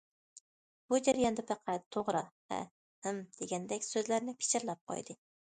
بۇ جەرياندا پەقەت« توغرا... ھە... ھىم...» دېگەندەك سۆزلەرنى پىچىرلاپ قويدى.